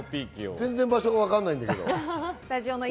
全然場所がわからないんだけど。